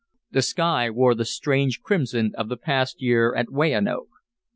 The sky wore the strange crimson of the past year at Weyanoke.